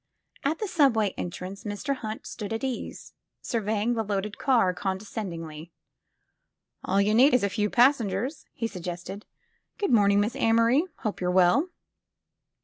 At the subway entrance Mr. Hunt stood at ease, sur veying the loaded car condescendingly. All you need is a few passengers!" he suggested. Morning, Miss Amory! Hope youVe well?"